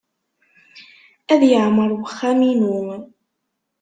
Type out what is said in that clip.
Ad yeɛmer uxxam-inu.